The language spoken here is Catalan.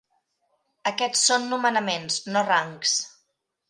Aquests són nomenaments, no rangs.